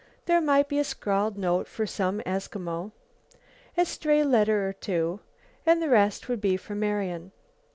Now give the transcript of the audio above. There might be a scrawled note for some Eskimo, a stray letter or two, and the rest would be for Marian.